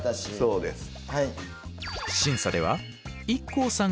そうです。